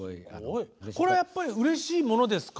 これはやっぱりうれしいものですか？